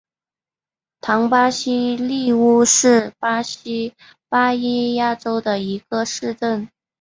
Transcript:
唐巴西利乌是巴西巴伊亚州的一个市镇。